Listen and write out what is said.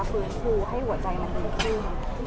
ฝืนฟูให้หัวใจมันดีขึ้น